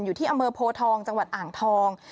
อยู่ที่อำเภอโพทองจังหวัดอ่างทอง